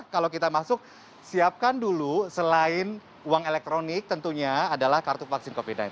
kalau kita masuk siapkan dulu selain uang elektronik tentunya adalah kartu vaksin covid sembilan belas